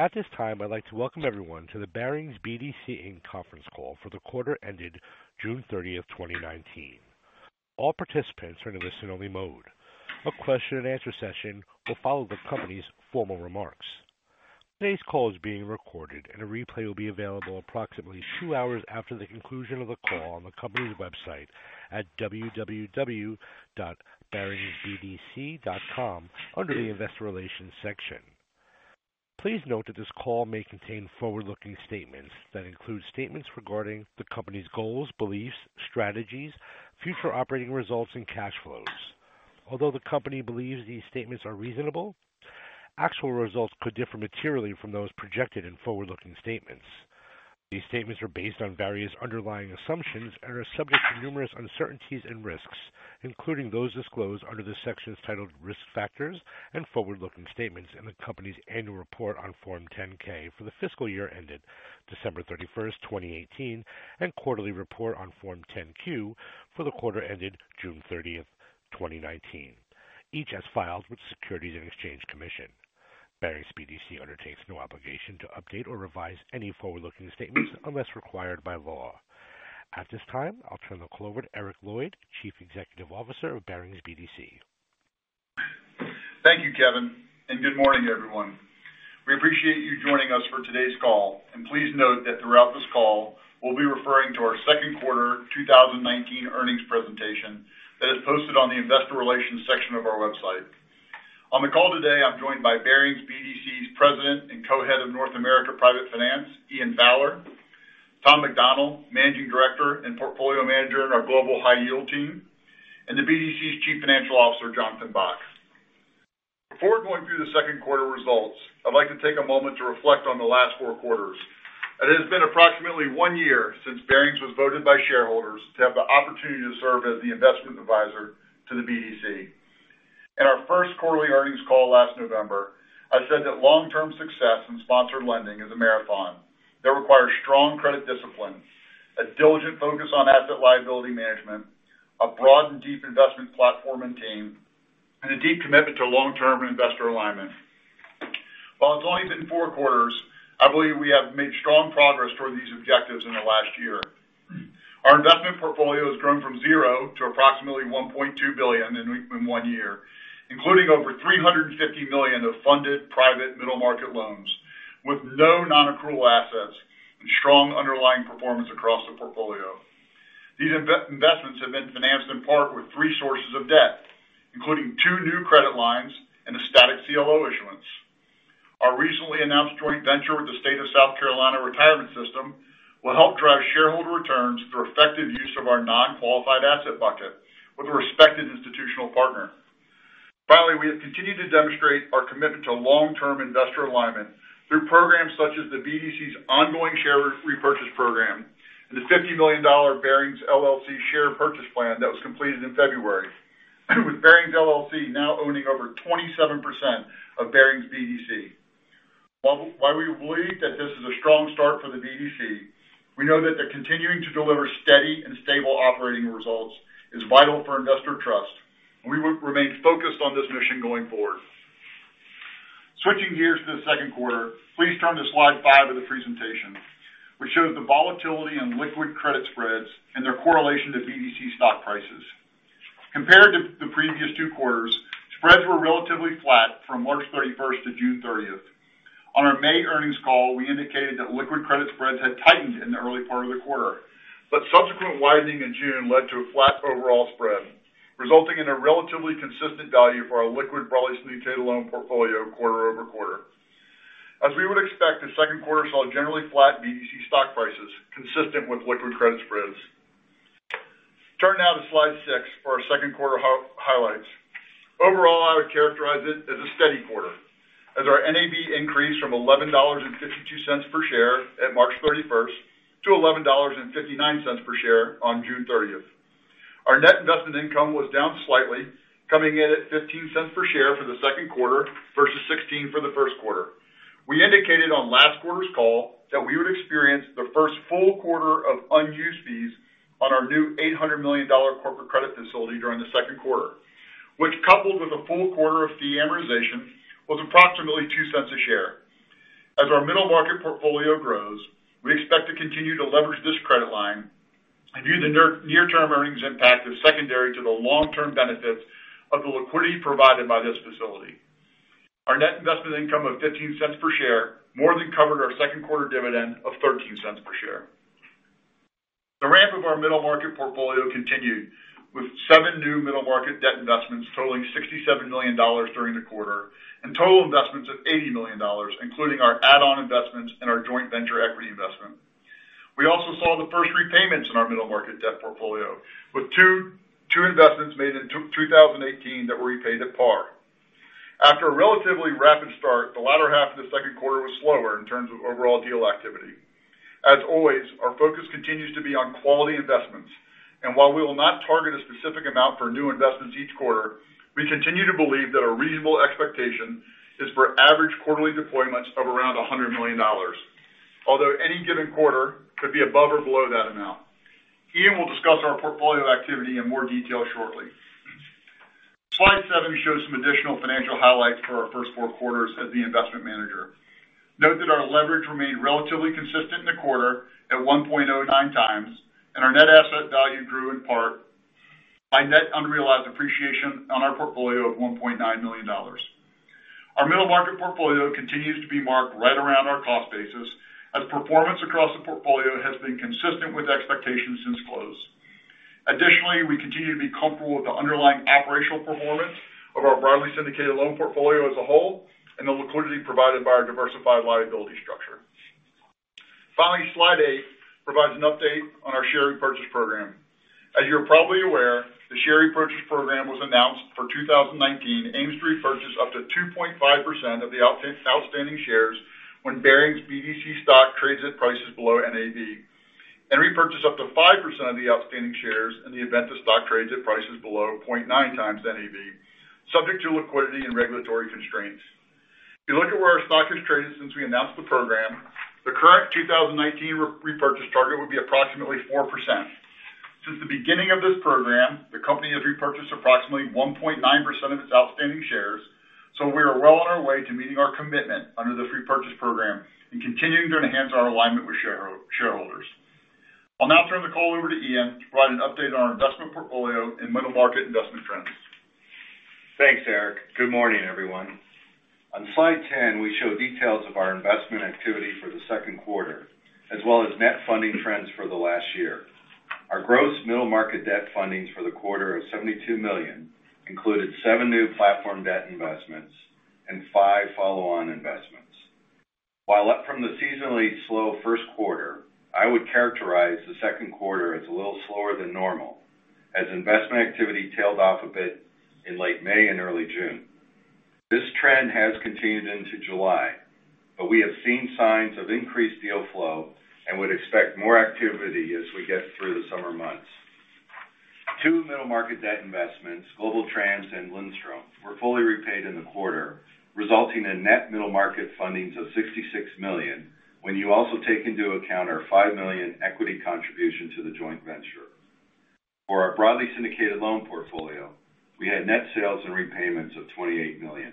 At this time, I'd like to welcome everyone to the Barings BDC, Inc. conference call for the quarter ended June 30th, 2019. All participants are in a listen-only mode. A question and answer session will follow the company's formal remarks. Today's call is being recorded, and a replay will be available approximately two hours after the conclusion of the call on the company's website at www.baringsbdc.com under the investor relations section. Please note that this call may contain forward-looking statements that include statements regarding the company's goals, beliefs, strategies, future operating results, and cash flows. Although the company believes these statements are reasonable, actual results could differ materially from those projected in forward-looking statements. These statements are based on various underlying assumptions and are subject to numerous uncertainties and risks, including those disclosed under the sections titled Risk Factors and Forward-Looking Statements in the company's annual report on Form 10-K for the fiscal year ended December 31st, 2018, and quarterly report on Form 10-Q for the quarter ended June 30th, 2019, each as filed with the Securities and Exchange Commission. Barings BDC undertakes no obligation to update or revise any forward-looking statements unless required by law. At this time, I'll turn the call over to Eric Lloyd, Chief Executive Officer of Barings BDC. Thank you, Kevin, and good morning, everyone. We appreciate you joining us for today's call, and please note that throughout this call, we'll be referring to our second quarter 2019 earnings presentation that is posted on the investor relations section of our website. On the call today, I'm joined by Barings BDC's President and Co-Head of North American Private Finance, Ian Fowler; Tom McDonnell, Managing Director and Portfolio Manager in our Global High Yield team; and the BDC's Chief Financial Officer, Jonathan Bock. Before going through the second quarter results, I'd like to take a moment to reflect on the last four quarters. It has been approximately one year since Barings was voted by shareholders to have the opportunity to serve as the investment advisor to the BDC. In our first quarterly earnings call last November, I said that long-term success in sponsored lending is a marathon that requires strong credit discipline, a diligent focus on asset liability management, a broad and deep investment platform and team, and a deep commitment to long-term investor alignment. While it's only been four quarters, I believe we have made strong progress toward these objectives in the last year. Our investment portfolio has grown from zero to approximately $1.2 billion in one year, including over $350 million of funded private middle market loans, with no non-accrual assets and strong underlying performance across the portfolio. These investments have been financed in part with three sources of debt, including two new credit lines and a static CLO issuance. Our recently announced joint venture with the South Carolina Retirement Systems Group Trust will help drive shareholder returns through effective use of our non-qualified asset bucket with a respected institutional partner. Finally, we have continued to demonstrate our commitment to long-term investor alignment through programs such as the BDC's ongoing share repurchase program and the $50 million Barings LLC share purchase plan that was completed in February, with Barings LLC now owning over 27% of Barings BDC. While we believe that this is a strong start for the BDC, we know that continuing to deliver steady and stable operating results is vital for investor trust, and we will remain focused on this mission going forward. Switching gears to the second quarter, please turn to slide five of the presentation, which shows the volatility in liquid credit spreads and their correlation to BDC stock prices. Compared to the previous two quarters, spreads were relatively flat from March 31st to June 30th. On our May earnings call, we indicated that liquid credit spreads had tightened in the early part of the quarter. Subsequent widening in June led to a flat overall spread, resulting in a relatively consistent value for our liquid broadly syndicated loan portfolio quarter-over-quarter. As we would expect, the second quarter saw generally flat BDC stock prices consistent with liquid credit spreads. Turn now to slide six for our second quarter highlights. Overall, I would characterize it as a steady quarter as our NAV increased from $11.52 per share at March 31st to $11.59 per share on June 30th. Our net investment income was down slightly, coming in at $0.15 per share for the second quarter versus $0.16 for the first quarter. We indicated on last quarter's call that we would experience the first full quarter of unused fees on our new $800 million corporate credit facility during the second quarter, which, coupled with a full quarter of fee amortization, was approximately $0.02 a share. As our middle market portfolio grows, we expect to continue to leverage this credit line and view the near-term earnings impact as secondary to the long-term benefits of the liquidity provided by this facility. Our net investment income of $0.15 per share more than covered our second quarter dividend of $0.13 per share. The ramp of our middle market portfolio continued with seven new middle market debt investments totaling $67 million during the quarter and total investments of $80 million, including our add-on investments and our joint venture equity investment. We also saw the first repayments in our middle market debt portfolio, with two investments made in 2018 that were repaid at par. After a relatively rapid start, the latter half of the second quarter was slower in terms of overall deal activity. As always, our focus continues to be on quality investments, and while we will not target a specific amount for new investments each quarter, we continue to believe that a reasonable expectation is for average quarterly deployments of around $100 million. Any given quarter could be above or below that amount. Ian will discuss our portfolio activity in more detail shortly. Slide seven shows some additional financial highlights for our first four quarters as the investment manager. Note that our leverage remained relatively consistent in the quarter at 1.09 times. Our net asset value grew in part by net unrealized appreciation on our portfolio of $1.9 million. Our middle market portfolio continues to be marked right around our cost basis as performance across the portfolio has been consistent with expectations since close. Additionally, we continue to be comfortable with the underlying operational performance of our broadly syndicated loan portfolio as a whole and the liquidity provided by our diversified liability structure. Finally, slide eight provides an update on our share repurchase program. As you are probably aware, the Share Repurchase Program was announced for 2019 aims to repurchase up to 2.5% of the outstanding shares when Barings BDC stock trades at prices below NAV, and repurchase up to 5% of the outstanding shares in the event the stock trades at prices below 0.9 times NAV, subject to liquidity and regulatory constraints. If you look at where our stock has traded since we announced the program, the current 2019 repurchase target would be approximately 4%. Since the beginning of this program, the company has repurchased approximately 1.9% of its outstanding shares. We are well on our way to meeting our commitment under this repurchase program and continuing to enhance our alignment with shareholders. I'll now turn the call over to Ian to provide an update on our investment portfolio and middle market investment trends. Thanks, Eric. Good morning, everyone. On slide 10, we show details of our investment activity for the second quarter, as well as net funding trends for the last year. Our gross middle market debt fundings for the quarter of $72 million included seven new platform debt investments and five follow-on investments. While up from the seasonally slow first quarter, I would characterize the second quarter as a little slower than normal, as investment activity tailed off a bit in late May and early June. This trend has continued into July, but we have seen signs of increased deal flow and would expect more activity as we get through the summer months. Two middle market debt investments, GlobalTranz and Lindstrom, were fully repaid in the quarter, resulting in net middle market fundings of $66 million, when you also take into account our $5 million equity contribution to the joint venture. For our broadly syndicated loan portfolio, we had net sales and repayments of $28 million.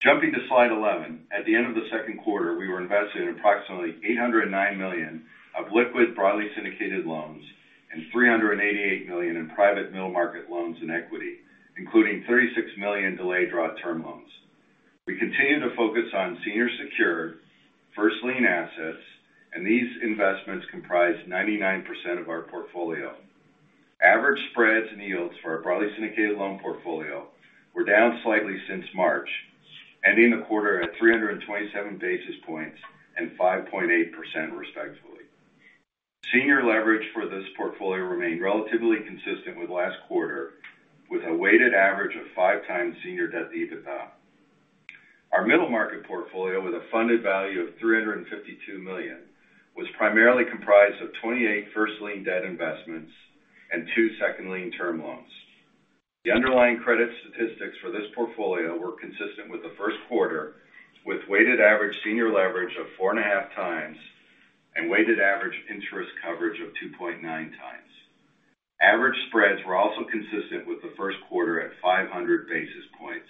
Jumping to slide 11, at the end of the second quarter, we were invested in approximately $809 million of liquid broadly syndicated loans and $388 million in private middle market loans and equity, including $36 million delayed draw term loans. We continue to focus on senior secured first lien assets. These investments comprise 99% of our portfolio. Average spreads and yields for our broadly syndicated loan portfolio were down slightly since March, ending the quarter at 327 basis points and 5.8% respectively. Senior leverage for this portfolio remained relatively consistent with last quarter, with a weighted average of five times senior debt to EBITDA. Our middle market portfolio with a funded value of $352 million, was primarily comprised of 28 first lien debt investments and two second lien term loans. The underlying credit statistics for this portfolio were consistent with the first quarter, with weighted average senior leverage of 4.5 times and weighted average interest coverage of 2.9 times. Average spreads were also consistent with the first quarter at 500 basis points,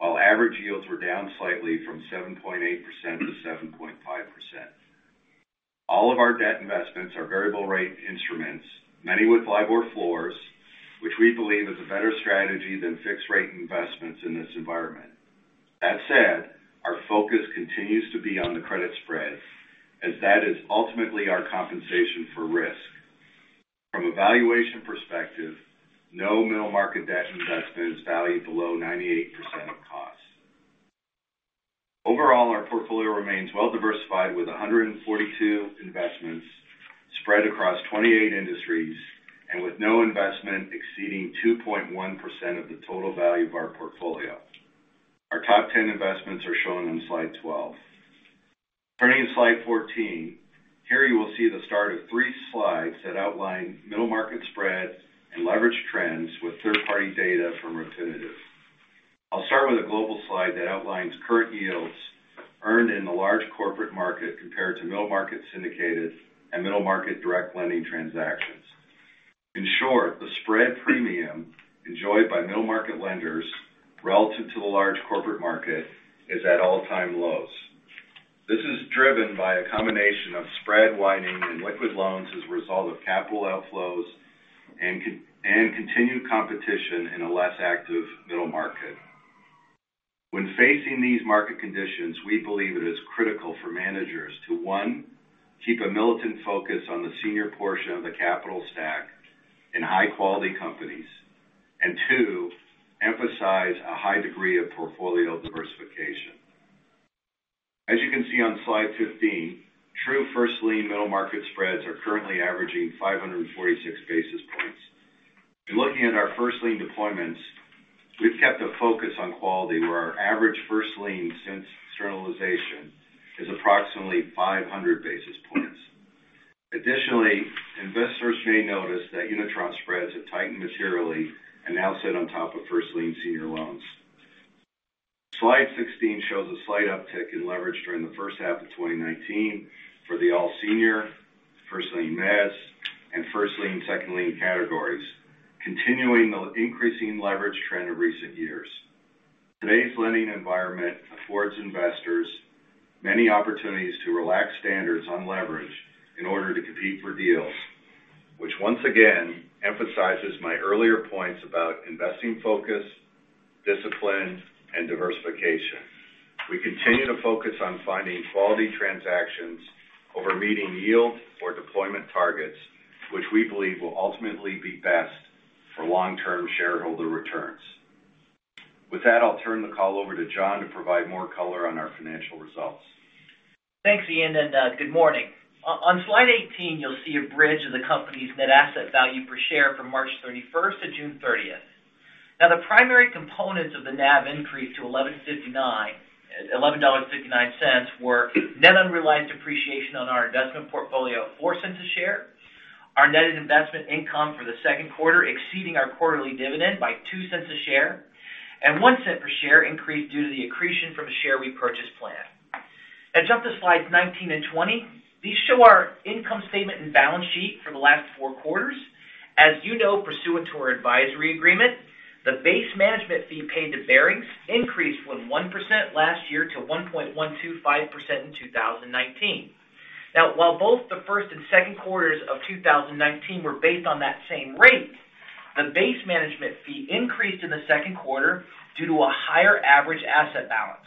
while average yields were down slightly from 7.8% to 7.5%. All of our debt investments are variable rate instruments, many with LIBOR floors, which we believe is a better strategy than fixed rate investments in this environment. That said, our focus continues to be on the credit spread, as that is ultimately our compensation for risk. From a valuation perspective, no middle market debt investment is valued below 98% of cost. Overall, our portfolio remains well-diversified with 142 investments spread across 28 industries and with no investment exceeding 2.1% of the total value of our portfolio. Our top 10 investments are shown on slide 12. Turning to slide 14, here you will see the start of three slides that outline middle market spreads and leverage trends with third-party data from Refinitiv. I'll start with a global slide that outlines current yields earned in the large corporate market compared to middle market syndicated and middle market direct lending transactions. In short, the spread premium enjoyed by middle market lenders relative to the large corporate market is at all-time lows. This is driven by a combination of spread widening and liquid loans as a result of capital outflows and continued competition in a less active middle market. When facing these market conditions, we believe it is critical for managers to, one, keep a militant focus on the senior portion of the capital stack in high-quality companies. Two, emphasize a high degree of portfolio diversification. As you can see on slide 15, true first lien middle market spreads are currently averaging 546 basis points. In looking at our first lien deployments, we've kept a focus on quality where our average first lien since externalization is approximately 500 basis points. Additionally, investors may notice that Unitranche spreads have tightened materially and now sit on top of first lien senior loans. Slide 16 shows a slight uptick in leverage during the first half of 2019 for the all-senior, first-lien/mezz, and first-lien/second-lien categories, continuing the increasing leverage trend of recent years. Today's lending environment affords investors many opportunities to relax standards on leverage in order to compete for deals. Which once again emphasizes my earlier points about investing focus, discipline, and diversification. We continue to focus on finding quality transactions over meeting yield or deployment targets, which we believe will ultimately be best for long-term shareholder returns. With that, I'll turn the call over to John to provide more color on our financial results. Thanks, Ian, and good morning. On slide 18, you'll see a bridge of the company's NAV per share from March 31st to June 30th. The primary components of the NAV increase to $11.59 were net unrealized appreciation on our investment portfolio of $0.04 a share. Our net investment income for the second quarter exceeding our quarterly dividend by $0.02 a share. One cent per share increased due to the accretion from a share repurchase plan. Jump to slides 19 and 20. These show our income statement and balance sheet for the last four quarters. As you know, pursuant to our advisory agreement, the base management fee paid to Barings increased from 1% last year to 1.125% in 2019. While both the first and second quarters of 2019 were based on that same rate, the base management fee increased in the second quarter due to a higher average asset balance.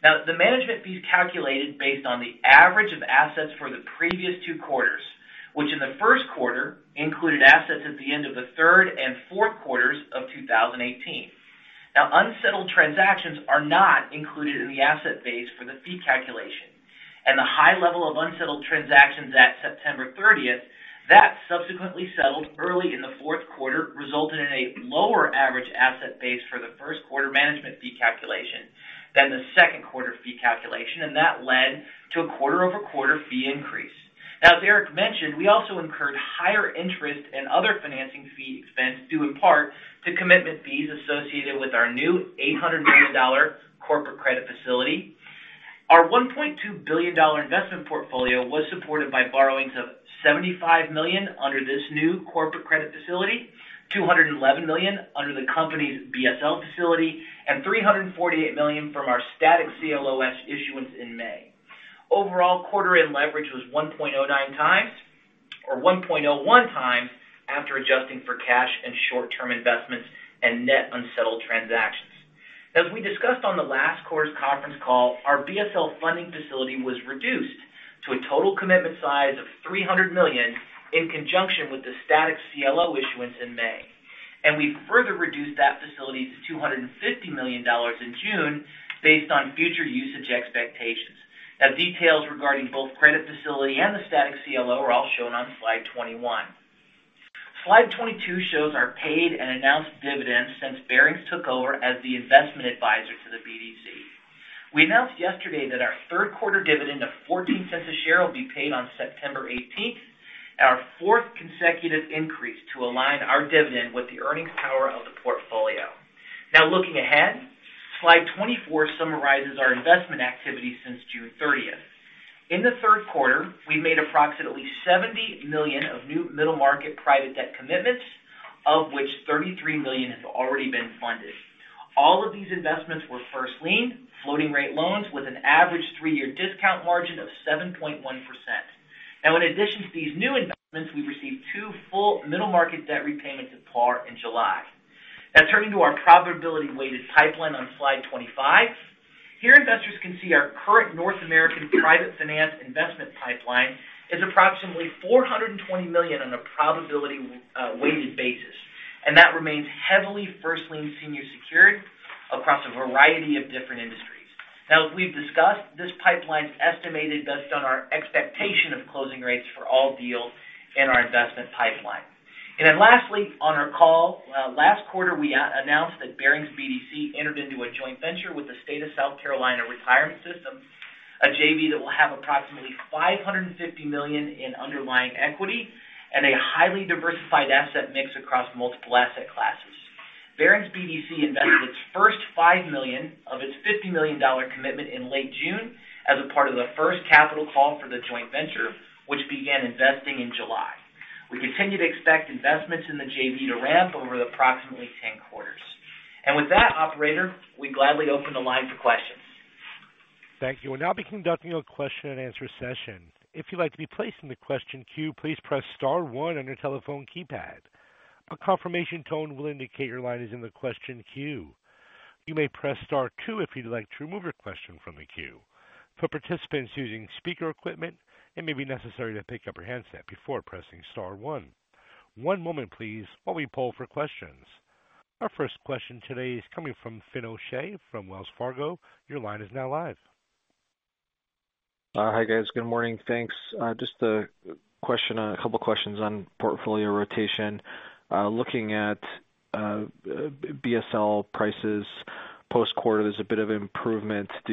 The management fee is calculated based on the average of assets for the previous two quarters, which in the first quarter included assets at the end of the third and fourth quarters of 2018. The high level of unsettled transactions at September 30th, that subsequently settled early in the fourth quarter resulted in a lower average asset base for the first quarter management fee calculation than the second quarter fee calculation, and that led to a quarter-over-quarter fee increase. As Eric mentioned, we also incurred higher interest and other financing fee expense due in part to commitment fees associated with our new $800 million corporate credit facility. Our $1.2 billion investment portfolio was supported by borrowings of $75 million under this new corporate credit facility, $211 million under the company's BSL facility, and $348 million from our static CLO issuance in May. Overall, quarter-end leverage was 1.09 times or 1.01 times after adjusting for cash and short-term investments and net unsettled transactions. As we discussed on the last quarter's conference call, our BSL funding facility was reduced to a total commitment size of $300 million in conjunction with the static CLO issuance in May. We further reduced that facility to $250 million in June based on future usage expectations. Details regarding both credit facility and the static CLO are all shown on slide 21. Slide 22 shows our paid and announced dividends since Barings took over as the investment advisor to the BDC. We announced yesterday that our third quarter dividend of $0.14 a share will be paid on September 18th, our fourth consecutive increase to align our dividend with the earnings power of the portfolio. Looking ahead, slide 24 summarizes our investment activity since June 30th. In the third quarter, we made approximately $70 million of new middle market private debt commitments, of which $33 million has already been funded. All of these investments were first lien floating rate loans with an average three-year discount margin of 7.1%. In addition to these new investments, we received two full middle market debt repayments at par in July. Turning to our probability-weighted pipeline on slide 25. Here, investors can see our current North American Private Finance investment pipeline is approximately $420 million on a probability-weighted basis. That remains heavily first lien senior secured across a variety of different industries. Now as we've discussed, this pipeline is estimated based on our expectation of closing rates for all deals in our investment pipeline. Lastly, on our call, last quarter, we announced that Barings BDC entered into a joint venture with the South Carolina Retirement Systems Group Trust, a JV that will have approximately $550 million in underlying equity and a highly diversified asset mix across multiple asset classes. Barings BDC invested its first $5 million of its $50 million commitment in late June as a part of the first capital call for the joint venture, which began investing in July. We continue to expect investments in the JV to ramp over approximately 10 quarters. With that operator, we gladly open the line for questions. Thank you. We'll now be conducting a question and answer session. If you'd like to be placed in the question queue, please press star one on your telephone keypad. A confirmation tone will indicate your line is in the question queue. You may press star two if you'd like to remove your question from the queue. For participants using speaker equipment, it may be necessary to pick up your handset before pressing star one. One moment please, while we poll for questions. Our first question today is coming from Finian O'Shea from Wells Fargo. Your line is now live. Hi, guys. Good morning. Thanks. Just a couple questions on portfolio rotation. Looking at BSL prices post-quarter, there's a bit of improvement. Are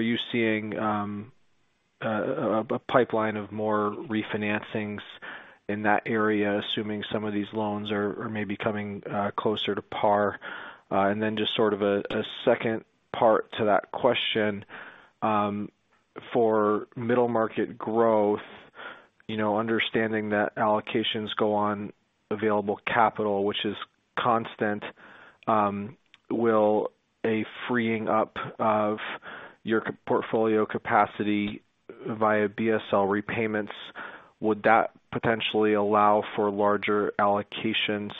you seeing a pipeline of more refinancings in that area, assuming some of these loans are maybe coming closer to par. Just sort of a second part to that question. For middle market growth, understanding that allocations go on available capital, which is constant, will a freeing up of your portfolio capacity via BSL repayments, would that potentially allow for larger allocations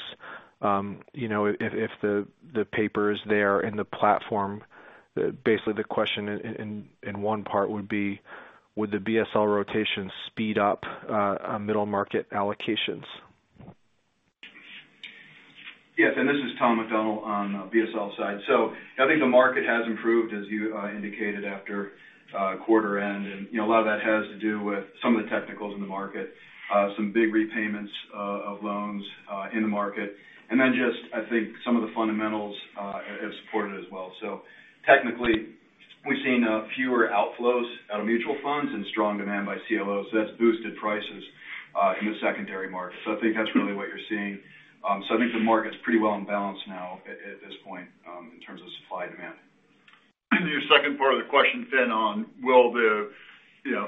if the paper is there in the platform? Basically, the question in one part would be: would the BSL rotation speed up middle market allocations? Yes. This is Tom McDonnell on the BSL side. I think the market has improved, as you indicated, after quarter end. A lot of that has to do with some of the technicals in the market. Some big repayments of loans in the market. Then just, I think some of the fundamentals have supported it as well. Technically, we've seen fewer outflows out of mutual funds and strong demand by CLOs. That's boosted prices in the secondary market. I think that's really what you're seeing. I think the market's pretty well in balance now at this point, in terms of supply and demand. Your second part of the question, Fin, on will the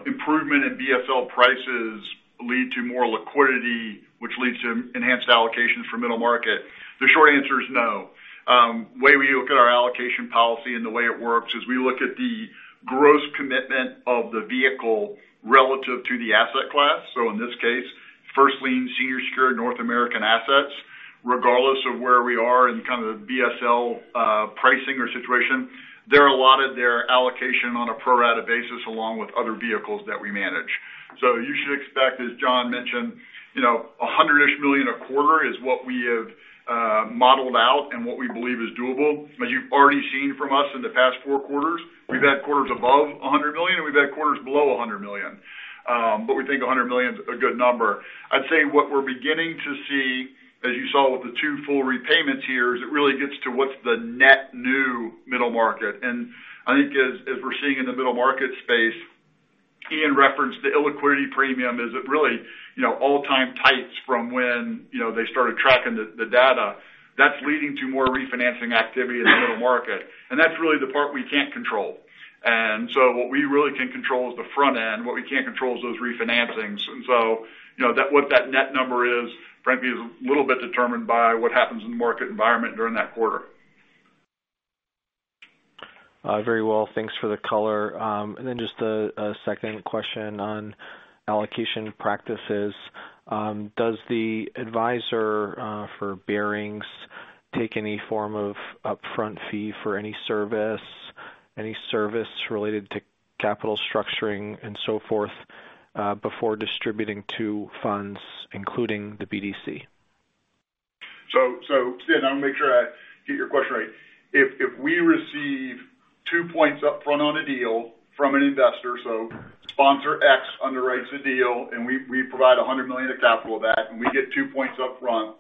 improvement in BSL prices lead to more liquidity, which leads to enhanced allocations for middle market? The short answer is no. The way we look at our allocation policy and the way it works is we look at the gross commitment of the vehicle relative to the asset class. In this case, first lien, senior secured North American assets, regardless of where we are in the BSL pricing or situation. They're allotted their allocation on a pro rata basis, along with other vehicles that we manage. You should expect, as John mentioned, $100-ish million a quarter is what we have modeled out and what we believe is doable. As you've already seen from us in the past four quarters, we've had quarters above $100 million, and we've had quarters below $100 million. We think $100 million's a good number. I'd say what we're beginning to see, as you saw with the two full repayments here, is it really gets to what's the net new middle market. I think as we're seeing in the middle market space, in reference to illiquidity premium, is it really all-time tights from when they started tracking the data. That's leading to more refinancing activity in the middle market. That's really the part we can't control. What we really can control is the front end. What we can't control is those refinancings. What that net number is, frankly, is a little bit determined by what happens in the market environment during that quarter. Very well. Thanks for the color. Then just a second question on allocation practices. Does the advisor for Barings take any form of upfront fee for any service related to capital structuring and so forth before distributing to funds, including the BDC? Fin, I want to make sure I get your question right. If we receive two points upfront on a deal from an investor. Sponsor X underwrites a deal, and we provide $100 million of capital of that, and we get two points upfront.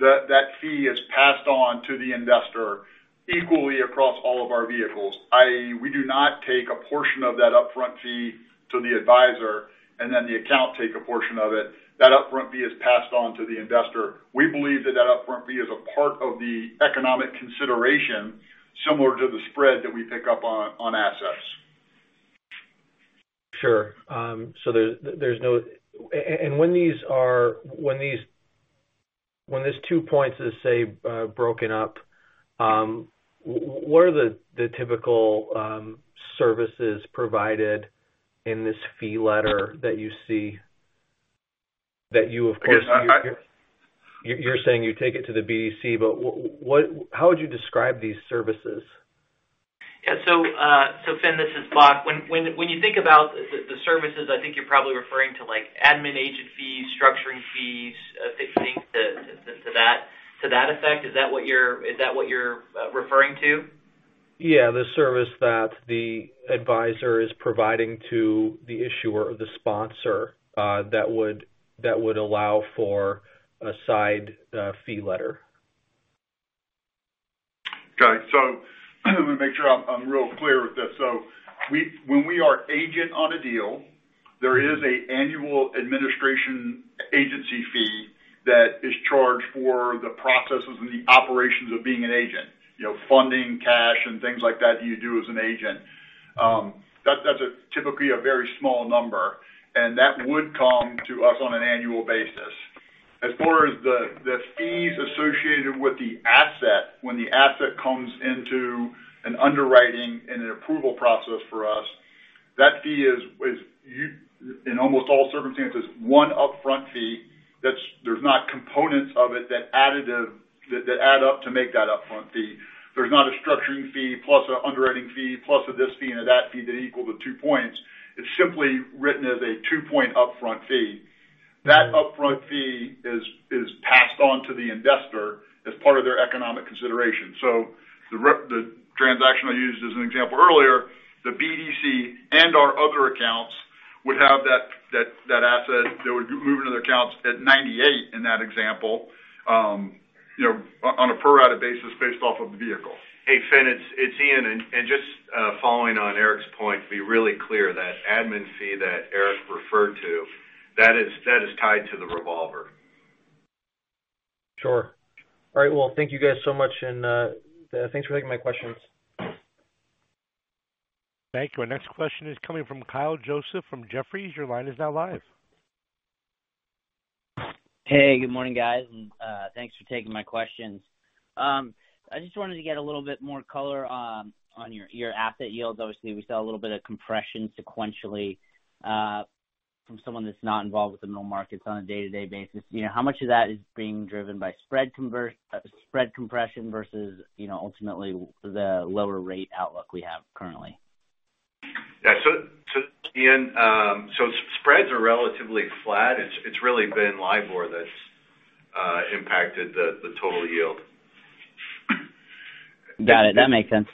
That fee is passed on to the investor equally across all of our vehicles, i.e., we do not take a portion of that upfront fee to the advisor and then the account take a portion of it. That upfront fee is passed on to the investor. We believe that that upfront fee is a part of the economic consideration, similar to the spread that we pick up on assets. Sure. When these two points are, say, broken up, what are the typical services provided in this fee letter that you see? You're saying you take it to the BDC, but how would you describe these services? Yeah. Fin, this is Bock. When you think about the services, I think you're probably referring to admin agent fees, structuring fees, fixings to that effect. Is that what you're referring to? Yeah. The service that the advisor is providing to the issuer or the sponsor that would allow for a side fee letter. Got it. Let me make sure I'm real clear with this. When we are agent on a deal, there is a annual administration agency fee that is charged for the processes and the operations of being an agent. Funding, cash, and things like that you do as an agent. That's typically a very small number, and that would come to us on an annual basis. As far as the fees associated with the asset, when the asset comes into an underwriting and an approval process for us, that fee is, in almost all circumstances, one upfront fee. There's not components of it that add up to make that upfront fee. There's not a structuring fee plus an underwriting fee, plus a this fee and a that fee that equal the two points. It's simply written as a two-point upfront fee. That upfront fee is passed on to the investor as part of their economic consideration. The transaction I used as an example earlier, the BDC and/or other accounts would have that asset that would move into their accounts at 98 in that example. On a pro-rata basis based off of the vehicle. Hey, Fin, it's Ian, and just following on Eric's point, to be really clear, that admin fee that Eric referred to, that is tied to the revolver. Sure. All right. Well, thank you guys so much, and thanks for taking my questions. Thank you. Our next question is coming from Kyle Joseph from Jefferies. Your line is now live. Hey, good morning, guys, and thanks for taking my questions. I just wanted to get a little bit more color on your asset yields. Obviously, we saw a little bit of compression sequentially from someone that's not involved with the middle markets on a day-to-day basis. How much of that is being driven by spread compression versus ultimately the lower rate outlook we have currently? Yeah. Kyle, so spreads are relatively flat. It's really been LIBOR that's impacted the total yield. Got it. That makes sense.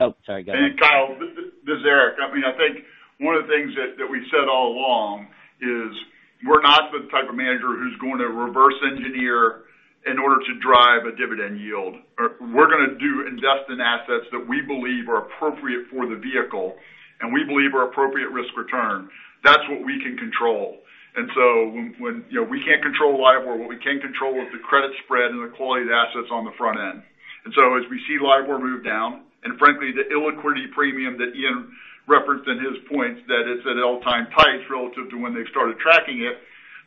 Oh, sorry. Go ahead. Kyle, this is Eric. I think one of the things that we've said all along is we're not the type of manager who's going to reverse engineer in order to drive a dividend yield. We're going to invest in assets that we believe are appropriate for the vehicle and we believe are appropriate risk return. That's what we can control. We can't control LIBOR. What we can control is the credit spread and the quality of the assets on the front end. As we see LIBOR move down, and frankly, the illiquidity premium that Ian referenced in his points, that it's at all-time tights relative to when they started tracking it.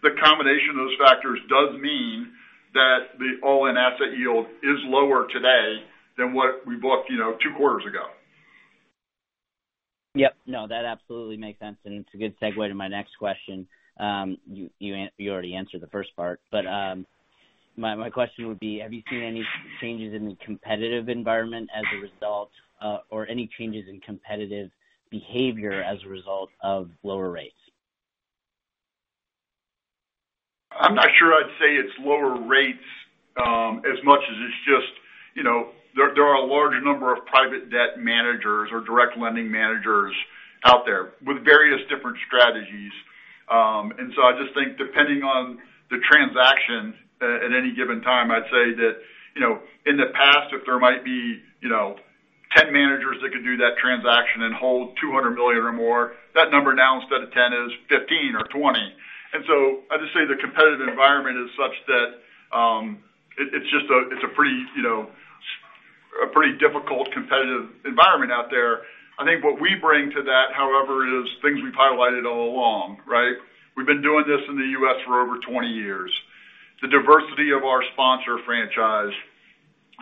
The combination of those factors does mean that the all-in asset yield is lower today than what we booked two quarters ago. Yep. No, that absolutely makes sense. It's a good segue to my next question. You already answered the first part. My question would be, have you seen any changes in the competitive environment as a result, or any changes in competitive behavior as a result of lower rates? I'm not sure I'd say it's lower rates as much as it's just there are a large number of private debt managers or direct lending managers out there with various different strategies. I just think depending on the transaction at any given time, I'd say that in the past, if there might be 10 managers that could do that transaction and hold $200 million or more, that number now instead of 10 is 15 or 20. I'd just say the competitive environment is such that it's a pretty difficult competitive environment out there. I think what we bring to that, however, is things we've highlighted all along, right? We've been doing this in the U.S. for over 20 years. The diversity of our sponsor franchise.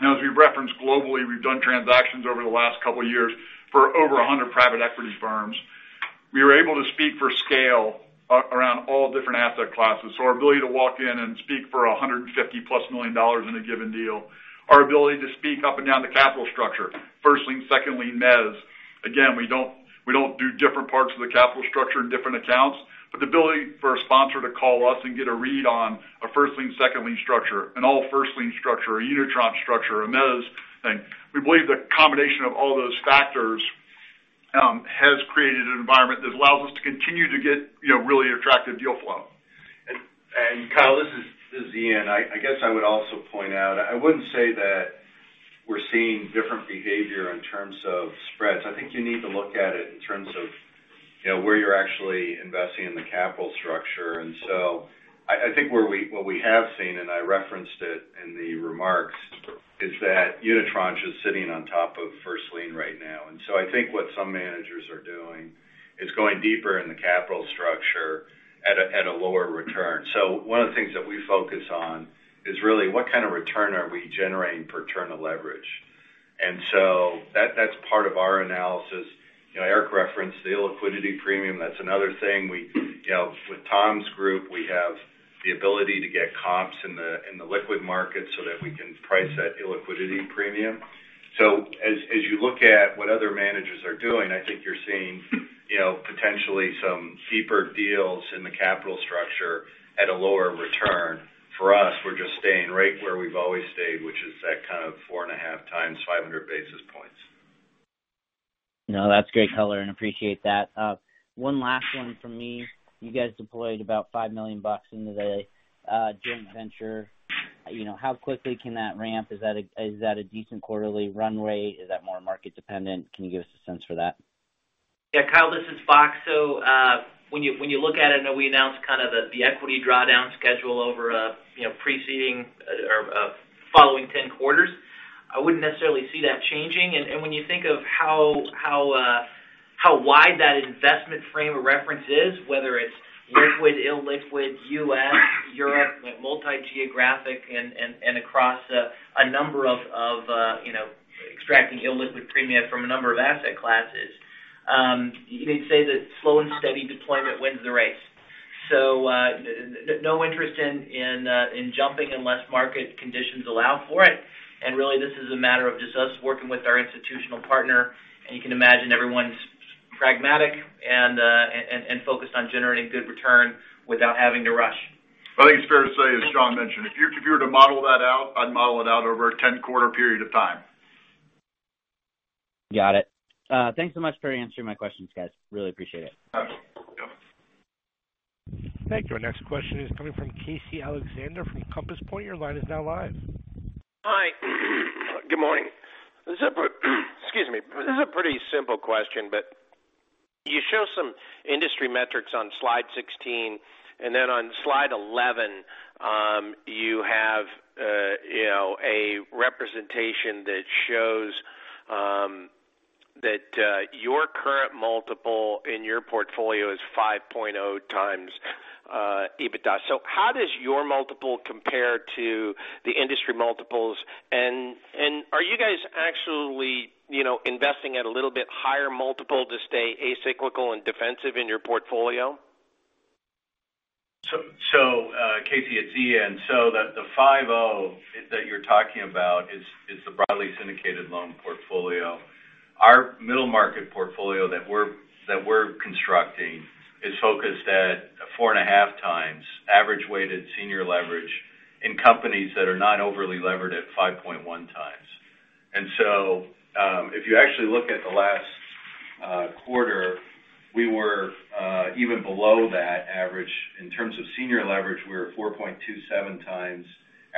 Now, as we referenced globally, we've done transactions over the last couple of years for over 100 private equity firms. We are able to speak for scale around all different asset classes. Our ability to walk in and speak for $150-plus million in a given deal, our ability to speak up and down the capital structure, first lien, second lien, mezz. Again, we don't do different parts of the capital structure in different accounts, but the ability for a sponsor to call us and get a read on a first lien, second lien structure, an all first lien structure, a unitranche structure, a mezz thing. We believe the combination of all those factors has created an environment that allows us to continue to get really attractive deal flow. Kyle, this is Ian. I guess I would also point out, I wouldn't say that we're seeing different behavior in terms of spreads. I think you need to look at it in terms of where you're actually investing in the capital structure. I think what we have seen, and I referenced it in the remarks, is that unitranche is sitting on top of first lien right now. I think what some managers are doing is going deeper in the capital structure at a lower return. One of the things that we focus on is really what kind of return are we generating per turn of leverage. That's part of our analysis. Eric referenced the illiquidity premium. That's another thing. With Tom's group, we have the ability to get comps in the liquid market so that we can price that illiquidity premium. As you look at what other managers are doing, I think you're seeing potentially some deeper deals in the capital structure at a lower return. For us, we're just staying right where we've always stayed, which is that kind of 4.5x 500 basis points. No, that's great color and appreciate that. One last one from me. You guys deployed about $5 million into the joint venture. How quickly can that ramp? Is that a decent quarterly runway? Is that more market dependent? Can you give us a sense for that? Yeah, Kyle, this is Bock. When you look at it, I know we announced kind of the equity drawdown schedule over preceding or following 10 quarters. I wouldn't necessarily see that changing. When you think of how wide that investment frame of reference is, whether it's liquid, illiquid, U.S., Europe, multi-geographic, and across a number of extracting illiquid premium from a number of asset classes. You could say that slow and steady deployment wins the race. No interest in jumping unless market conditions allow for it. Really, this is a matter of just us working with our institutional partner. You can imagine everyone's pragmatic and focused on generating good return without having to rush. I think it's fair to say, as Sean mentioned, if you were to model that out, I'd model it out over a 10-quarter period of time. Got it. Thanks so much for answering my questions, guys. Really appreciate it. Absolutely. Thank you. Our next question is coming from Casey Alexander from Compass Point. Your line is now live. Hi. Good morning. This is a pretty simple question, but you show some industry metrics on slide 16, and then on slide 11, you have a representation that shows that your current multiple in your portfolio is 5.0 times EBITDA. How does your multiple compare to the industry multiples? Are you guys actually investing at a little bit higher multiple to stay acyclical and defensive in your portfolio? Casey, it's Ian. The 5.0 that you're talking about is the broadly syndicated loan portfolio. Our middle market portfolio that we're constructing is focused at 4.5 times average weighted senior leverage in companies that are not overly levered at 5.1 times. If you actually look at the last quarter, we were even below that average. In terms of senior leverage, we were 4.27 times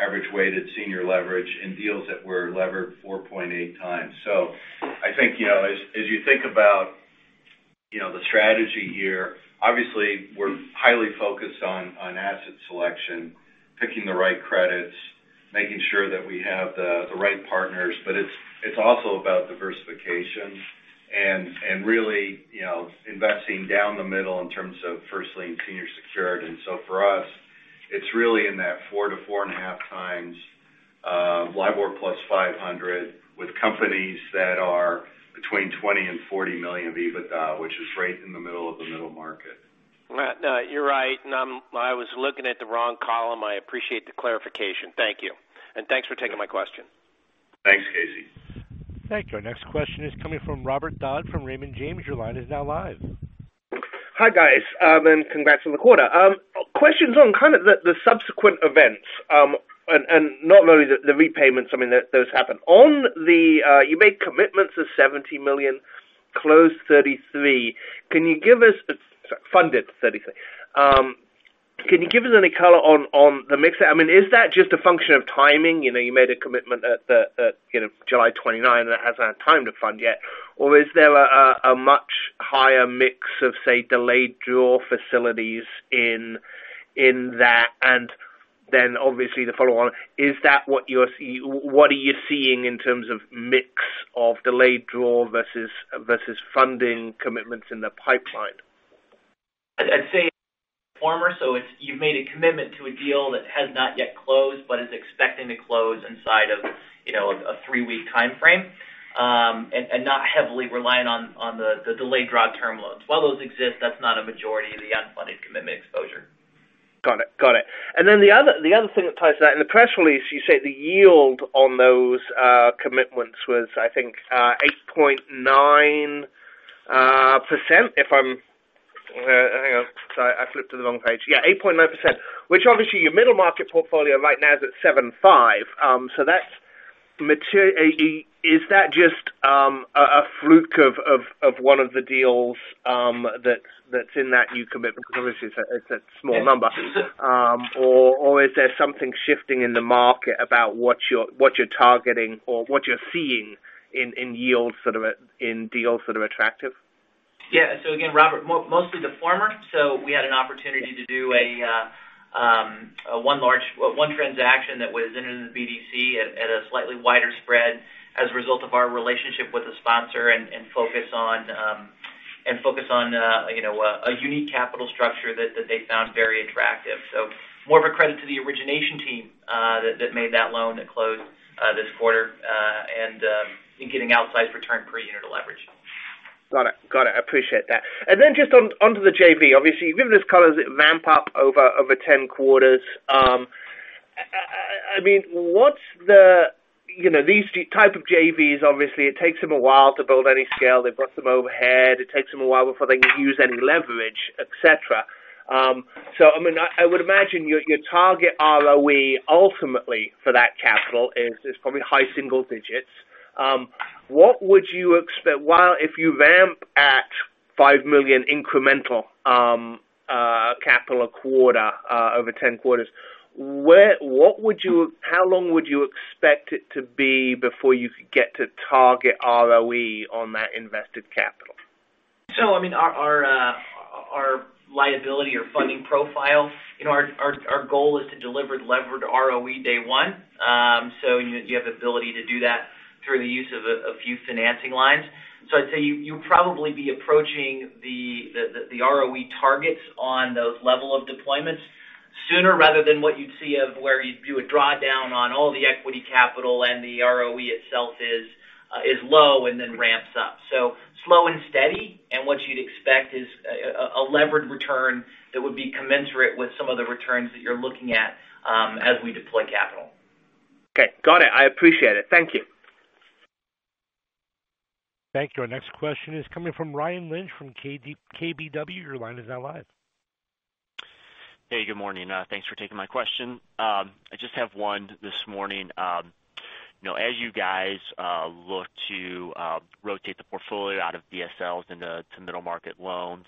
average weighted senior leverage in deals that were levered 4.8 times. I think, as you think about the strategy here. Obviously, we're highly focused on asset selection, picking the right credits, making sure that we have the right partners, but it's also about diversification and really investing down the middle in terms of firstly, in senior secured. For us, it's really in that 4 to 4.5 times LIBOR plus 500 with companies that are between $20 million and $40 million of EBITDA, which is right in the middle of the middle market. No, you're right. I was looking at the wrong column. I appreciate the clarification. Thank you. Thanks for taking my question. Thanks, Casey. Thank you. Our next question is coming from Robert Dodd from Raymond James. Your line is now live. Hi, guys, and congrats on the quarter. Questions on kind of the subsequent events, and not only the repayments, I mean, those happen. You made commitments of $70 million, closed 33. Sorry, funded 33. Can you give us any color on the mix? Is that just a function of timing? You made a commitment at July 29 that hasn't had time to fund yet, or is there a much higher mix of, say, delayed draw facilities in that? Then obviously the follow on, what are you seeing in terms of mix of delayed draw versus funding commitments in the pipeline? I'd say former. You've made a commitment to a deal that has not yet closed but is expecting to close inside of a three-week timeframe, and not heavily reliant on the delayed draw term loans. While those exist, that's not a majority of the unfunded commitment exposure. Got it. The other thing that ties to that, in the press release, you say the yield on those commitments was, I think, 8.9%, hang on. Sorry, I flipped to the wrong page. Yeah, 8.9%, which obviously your middle market portfolio right now is at 7.5%. Is that just a fluke of one of the deals that's in that new commitment? Because obviously it's a small number. Yes. Is there something shifting in the market about what you're targeting or what you're seeing in deals that are attractive? Yeah. Again, Robert, mostly the former. We had an opportunity to do one transaction that was entered into the BDC at a slightly wider spread as a result of our relationship with the sponsor and focus on a unique capital structure that they found very attractive. More of a credit to the origination team that made that loan that closed this quarter in getting outsized return per unit of leverage. Got it. Appreciate that. Just onto the JV. Obviously, given this color, is it ramp up over 10 quarters? These type of JVs, obviously, it takes them a while to build any scale. They've got some overhead. It takes them a while before they can use any leverage, et cetera. I would imagine your target ROE ultimately for that capital is probably high single digits. If you ramp at $5 million incremental capital a quarter over 10 quarters, how long would you expect it to be before you could get to target ROE on that invested capital? Our liability or funding profile, our goal is to deliver levered ROE day one. You have the ability to do that through the use of a few financing lines. I'd say you'll probably be approaching the ROE targets on those level of deployments sooner rather than what you'd see of where you do a drawdown on all the equity capital and the ROE itself is low and then ramps up. Slow and steady, and what you'd expect is a levered return that would be commensurate with some of the returns that you're looking at as we deploy capital. Okay. Got it. I appreciate it. Thank you. Thank you. Our next question is coming from Ryan Lynch from KBW. Your line is now live. Hey, good morning. Thanks for taking my question. I just have one this morning. As you guys look to rotate the portfolio out of BSLs into middle market loans,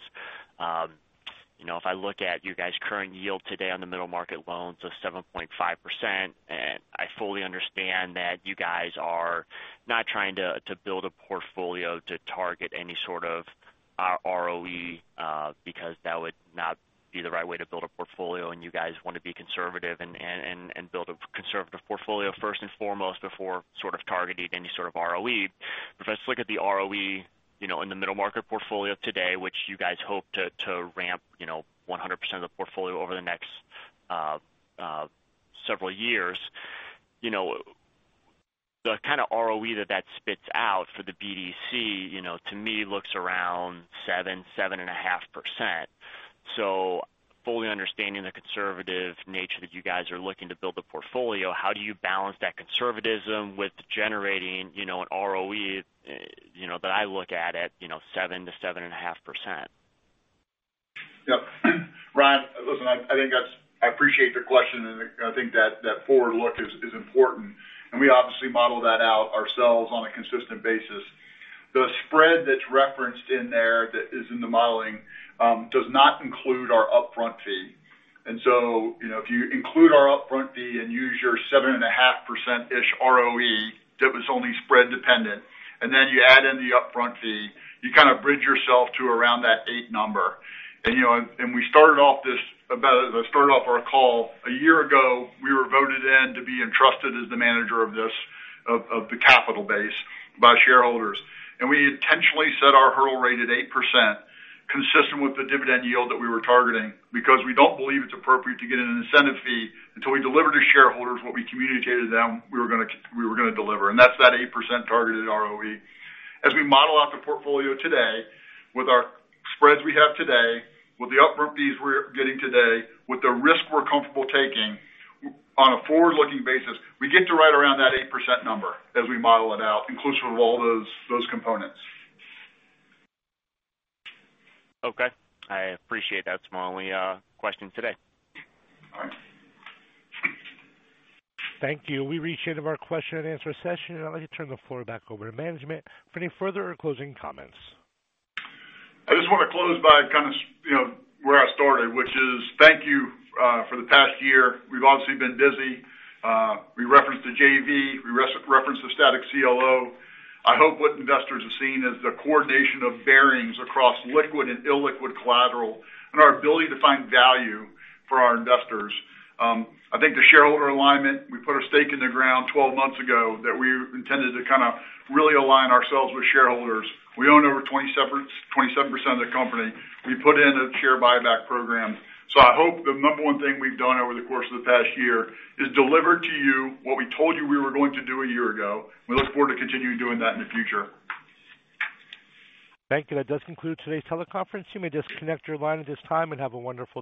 if I look at your guys' current yield today on the middle market loans of 7.5%, and I fully understand that you guys are not trying to build a portfolio to target any sort of ROE because that would not be the right way to build a portfolio, and you guys want to be conservative and build a conservative portfolio first and foremost before targeting any sort of ROE. If I just look at the ROE in the middle market portfolio today, which you guys hope to ramp 100% of the portfolio over the next several years. The kind of ROE that that spits out for the BDC, to me, looks around 7%, 7.5%. Fully understanding the conservative nature that you guys are looking to build a portfolio, how do you balance that conservatism with generating an ROE that I look at it, 7%-7.5%? Yep. Ryan, listen, I appreciate your question, and I think that that forward look is important, and we obviously model that out ourselves on a consistent basis. The spread that's referenced in there, that is in the modeling, does not include our upfront fee. If you include our upfront fee and use your 7.5%-ish ROE, that was only spread dependent, and then you add in the upfront fee, you kind of bridge yourself to around that eight number. We started off our call a year ago, we were voted in to be entrusted as the manager of the capital base by shareholders. We intentionally set our hurdle rate at 8%, consistent with the dividend yield that we were targeting because we don't believe it's appropriate to get an incentive fee until we deliver to shareholders what we communicated to them we were going to deliver, and that's that 8% targeted ROE. As we model out the portfolio today with our spreads we have today, with the upfront fees we're getting today, with the risk we're comfortable taking on a forward-looking basis, we get to right around that 8% number as we model it out inclusive of all those components. Okay. I appreciate that, Ryan. Only question today. All right. Thank you. We've reached the end of our question and answer session. I'd like to turn the floor back over to management for any further or closing comments. I just want to close by where I started, which is thank you for the past year. We've obviously been busy. We referenced the JV, we referenced the static CLO. I hope what investors have seen is the coordination of Barings across liquid and illiquid collateral and our ability to find value for our investors. I think the shareholder alignment, we put a stake in the ground 12 months ago that we intended to kind of really align ourselves with shareholders. We own over 27% of the company. We put in a share buyback program. I hope the number one thing we've done over the course of the past year is delivered to you what we told you we were going to do a year ago. We look forward to continuing doing that in the future. Thank you. That does conclude today's teleconference. You may disconnect your line at this time, and have a wonderful day.